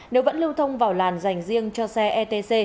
nếu vẫn lưu thông vào làn dành riêng cho xe etc